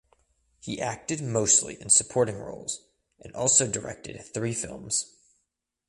He acted mostly in supporting roles and also directed three films.